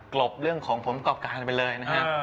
ลบเรื่องของผลประกอบการไปเลยนะครับ